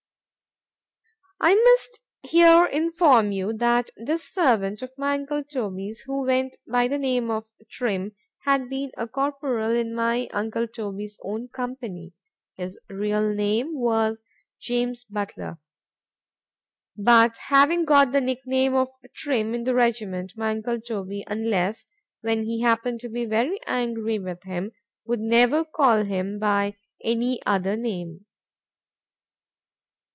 I must here inform you, that this servant of my uncle Toby's, who went by the name of Trim, had been a corporal in my uncle's own company,—his real name was James Butler,—but having got the nick name of Trim, in the regiment, my uncle Toby, unless when he happened to be very angry with him, would never call him by any other name.